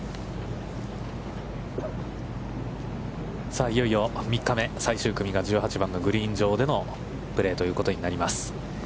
さあ、いよいよ３日目、最終組が１８番のグリーン上でのプレーということになります。